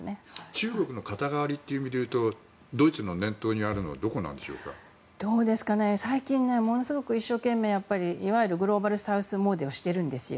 中国の肩代わりという意味で言うとドイツの念頭にあるのは最近、ものすごく一生懸命いわゆるグローバルサウス詣でをしているんですよ。